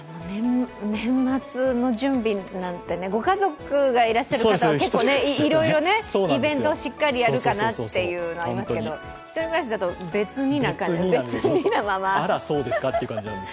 年末の準備なんてね、ご家族がいらっしゃる方は結構、いろいろイベントをしっかりやるかなっていうのがありますけど一人暮らしだと、別にな感じで。